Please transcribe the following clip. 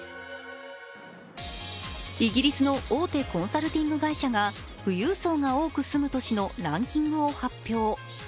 イギリスの大手コンサルティング会社が富裕層が多く住む都市のランキングを発表。